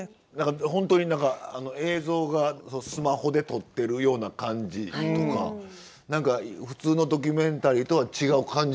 本当に何か映像がスマホで撮ってるような感じとか何か普通のドキュメンタリーとは違う感じしましたよね。